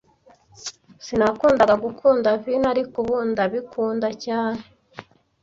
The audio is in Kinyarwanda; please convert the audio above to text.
Sinakundaga gukunda vino, ariko ubu ndabikunda cyane.